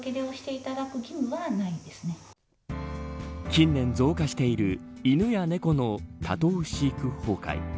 近年増加している犬や猫の多頭飼育崩壊。